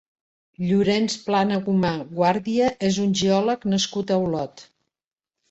Llorenç Planagumà Guàrdia és un geòleg nascut a Olot.